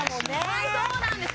はいそうなんです